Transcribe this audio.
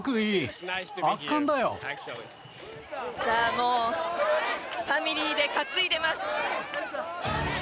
もうファミリーで担いでます。